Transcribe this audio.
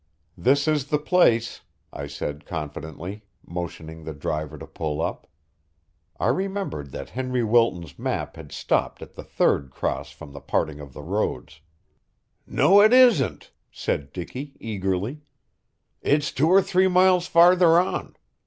"This is the place," I said confidently, motioning the driver to pull up. I remembered that Henry Wilton's map had stopped at the third cross from the parting of the roads. "No, it isn't," said Dicky eagerly. "It's two or three miles farther on.